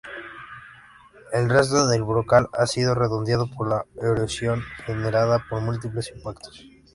El resto del brocal ha sido redondeado por la erosión generada por múltiples impactos.